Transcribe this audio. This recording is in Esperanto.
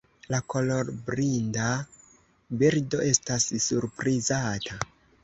La kolorblinda birdo estas surprizata.